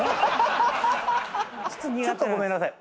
ちょっとごめんなさい。